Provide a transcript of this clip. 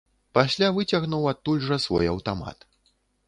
Пасля выцягнуў адтуль жа свой аўтамат.